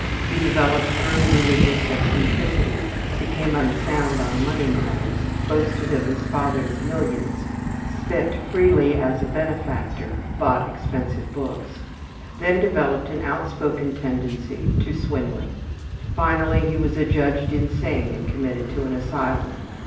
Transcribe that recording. He developed early religious eccentricities, became unsound on money matters, boasted of his father's millions, spent freely as a benefactor, bought expensive books. Then developed an outspoken tendency to swindling. Finally he was adjudged insane and committed to an asylum.